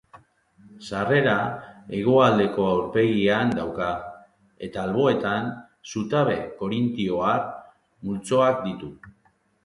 Sarrera hegoaldeko aurpegian dauka eta alboetan zutabe korintoar multzoak ditu.